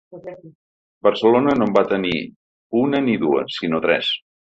Barcelona no en va tenir una ni dues, sinó tres.